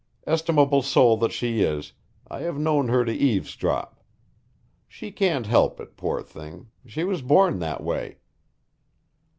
Estimable soul that she is, I have known her to eavesdrop. She can't help it, poor thing! She was born that way."